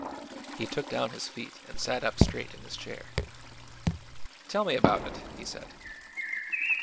He took down his feet and sat up straight in his chair. "Tell me about it," he said.